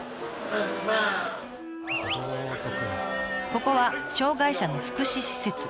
ここは障害者の福祉施設。